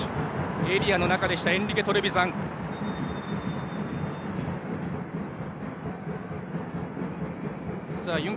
エリアの中でしたエンリケ・トレヴィザン。